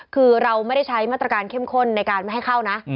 คือเราไม่ได้ใช้มาตรการเข้มข้นในการไม่ให้เข้านะ